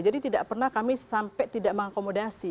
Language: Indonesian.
jadi tidak pernah kami sampai tidak mengakomodasi